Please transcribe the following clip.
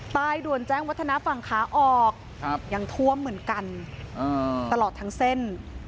ด่วนแจ้งวัฒนาฝั่งขาออกยังท่วมเหมือนกันตลอดทั้งเส้น